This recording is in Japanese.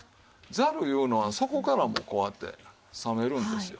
ざるいうのは底からもこうやって冷めるんですよ。